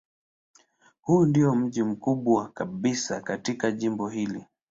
Huu ndiyo mji mkubwa kabisa katika jimbo hili.